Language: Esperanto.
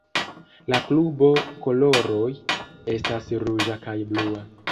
La klubo koloroj estas ruĝa kaj blua.